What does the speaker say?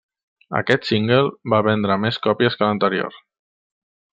Aquest single va vendre més còpies que l'anterior.